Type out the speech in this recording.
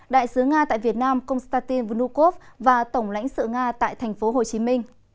đại sứ nga tại việt nam konstantin vnukov và tổng lãnh sự nga tại tp hcm